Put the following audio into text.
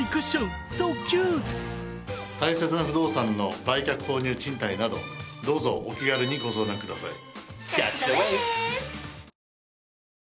大切な不動産の売却購入賃貸などどうぞお気軽にご相談ください。